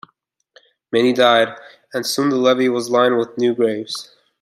Many died, and soon the levee was lined with new graves.